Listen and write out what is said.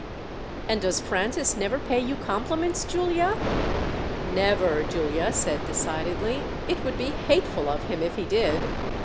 "And does Francis never pay you compliments, Giulia?" "Never!" Giulia said decidedly. "It would be hateful of him if he did."